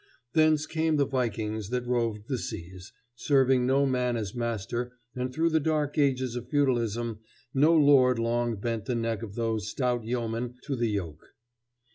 Thence came the vikings that roved the seas, serving no man as master; and through the dark ages of feudalism no lord long bent the neck of those stout yeomen to the yoke.